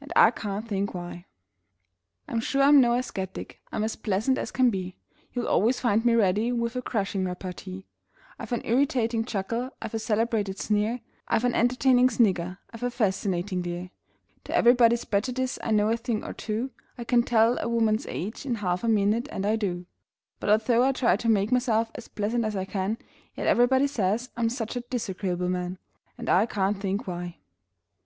And I can't think why! I'm sure I'm no ascetic: I'm as pleasant as can be; You'll always find me ready with a crushing repartee; I've an irritating chuckle; I've a celebrated sneer; I've an entertaining snigger; I've a fascinating leer; To everybody's prejudice I know a thing or two; I can tell a woman's age in half a minute and I do But although I try to make myself as pleasant as I can, Yet everybody says I'm such a disagreeable man! And I can't think why!